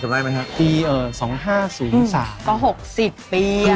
ทำได้ไหมฮะปีเอ่อสองห้าศูนย์สามก็หกสิบปีน่ะ